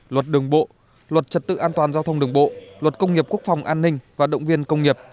luật đường bộ luật trật tự an toàn giao thông đường bộ luật công nghiệp quốc phòng an ninh và động viên công nghiệp